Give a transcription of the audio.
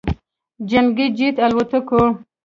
جنګي جت الوتکو